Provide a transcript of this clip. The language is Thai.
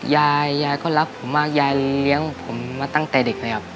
ยายยายก็รักผมมากยายเลี้ยงผมมาตั้งแต่เด็กเลยครับ